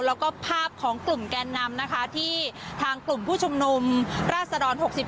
แล้วก็ภาพของกลุ่มแกนนำนะคะที่ทางกลุ่มผู้ชุมนุมราชดร๖๔